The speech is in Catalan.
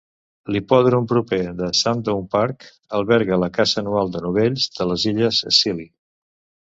L'hipòdrom proper de Sandown Park alberga la Caça anual de novells de les Illes Scilly.